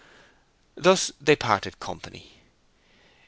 Thus they parted company.